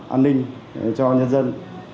an ninh cho nhân dân